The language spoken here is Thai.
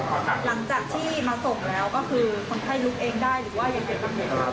ต้องอุ้มอย่างเดียวเลยครับ